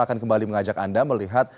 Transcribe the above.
akan kembali mengajak anda melihat